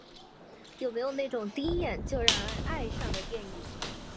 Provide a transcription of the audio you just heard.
有没有那种第一眼就让人爱上的电影？